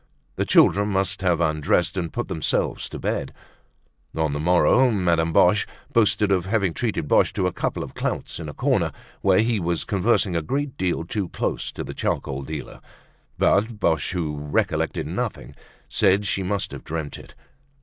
The children must have undressed and put themselves to bed. On the morrow, Madame Boche boasted of having treated Boche to a couple of clouts in a corner, where he was conversing a great deal too close to the charcoal dealer; but Boche, who recollected nothing, said she must have dreamt it.